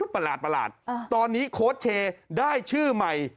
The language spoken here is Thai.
ประหลาดตอนนี้โค้ชเชย์ได้ชื่อใหม่